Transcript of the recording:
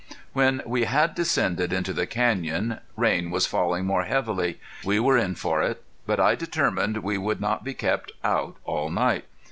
When we had descended into the canyon rain was falling more heavily. We were in for it. But I determined we would not be kept out all night.